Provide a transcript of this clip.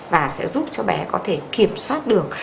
và sẽ giúp cho bé có thể kiểm soát được